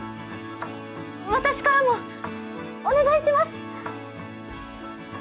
私からもお願いします！